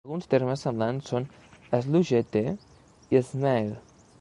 Alguns termes semblants són slugette i snail.